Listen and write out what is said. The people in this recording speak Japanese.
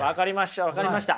分かりました。